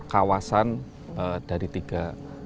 kawasan dari tiga